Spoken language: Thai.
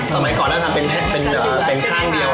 สมัยก่อนทำเป็นทั้งเดียว